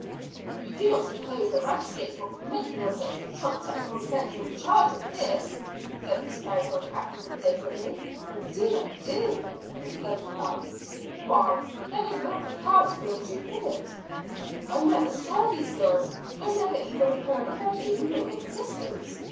"You do not suppose the magistrates will commit me on such a trumped up nonsensical charge as this?" said the stout old captain indignantly. "Indeed I do," was the reply. "Why, there is not a particle of truth in it. I never saw these girls. I never even heard of their being in existence."